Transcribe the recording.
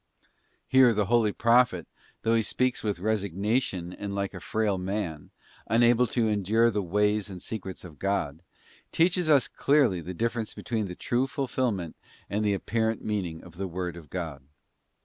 '* Here the holy Prophet, though he speaks with resignation and like a frail man, unable to endure the ways and secrets of God, teaches us clearly the difference between the true fulfilment and the apparent meaning of the word of God.